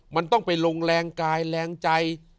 มันต้องไปลงแรงกายแรงใจ